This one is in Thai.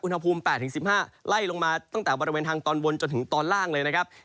ภูมิ๘๑๕ไล่ลงมาตั้งแต่บริเวณทางตอนบนจนถึงตอนล่างเลยนะครับ